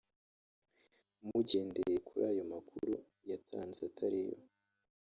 mugendeye kuri ayo makuru yatanze atari yo